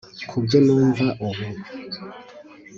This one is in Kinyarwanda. kubyo numva ubu